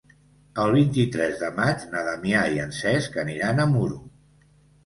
El vint-i-tres de maig na Damià i en Cesc aniran a Muro.